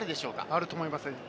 あると思います。